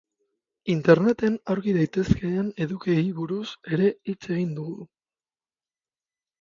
Interneten aurki daitezkeen edukiei buruz ere hitz egin dugu.